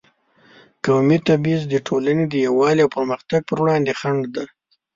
قومي تبعیض د ټولنې د یووالي او پرمختګ پر وړاندې خنډ دی.